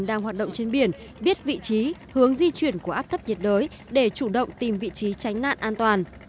đang hoạt động trên biển biết vị trí hướng di chuyển của áp thấp nhiệt đới để chủ động tìm vị trí tránh nạn an toàn